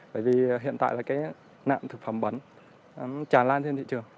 bởi vì hiện tại là cái nạn thực phẩm bẩn tràn lan trên thị trường